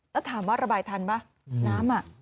ถ้าถามว่าระบายทันไหมน้ำอ่ะ